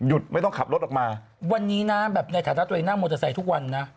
ไม่ต้องขับรถออกมาวันนี้นะแบบในฐานะตัวเองนั่งมอเตอร์ไซค์ทุกวันนะ